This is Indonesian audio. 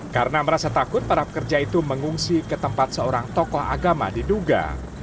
karena merasa takut para pekerja itu mengungsi ke tempat seorang tokoh agama di duga